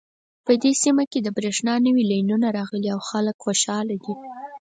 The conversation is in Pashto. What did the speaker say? په دې سیمه کې د بریښنا نوې لینونه راغلي او خلک خوشحاله دي